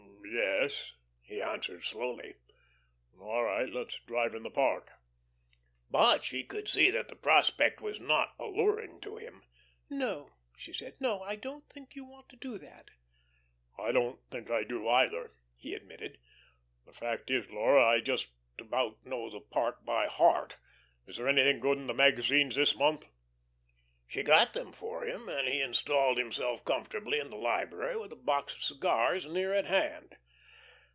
"M m yes," he answered slowly. "All right. Let's drive in the park." But she could see that the prospect was not alluring to him. "No," she said, "no. I don't think you want to do that." "I don't think I do, either," he admitted. "The fact is, Laura, I just about know that park by heart. Is there anything good in the magazines this month?" She got them for him, and he installed himself comfortably in the library, with a box of cigars near at hand.